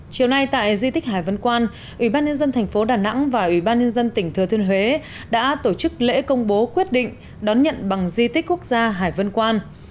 chiều nay tại di tích hải vân quan ủy ban nhân dân thành phố đà nẵng và ủy ban nhân dân tỉnh thừa thiên huế đã tổ chức lễ công bố quyết định đón nhận bằng di tích quốc gia hải vân quan